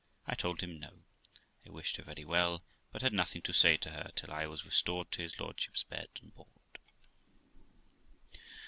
I told him no; I wished her very well, but had nothing to say to her till I was restored to his lordship's bed and board.